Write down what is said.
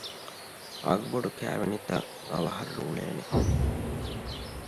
އަގުބޮޑު ކައިވެނިތައް އަވަހަށް ރޫޅޭނެ؟